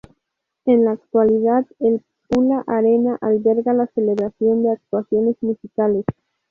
En la actualidad, el Pula Arena alberga la celebración de actuaciones musicales.